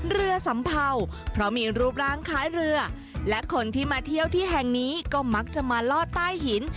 สัมเภาเพราะมีรูปร่างคล้ายเรือและคนที่มาเที่ยวที่แห่งนี้ก็มักจะมาลอดใต้หิน